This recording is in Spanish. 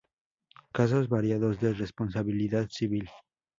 Casos variados de responsabilidad civil